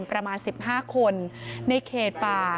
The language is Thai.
ประมาณ๑๕คนในเขตป่า